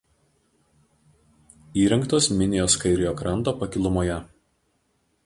Įrengtos Minijos kairiojo kranto pakilumoje.